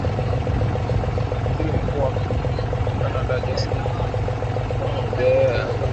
Waziri mkuu wa Canada Justin Trudeau